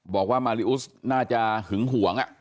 บอกว่ามาริอุสน่าจะหึงหวง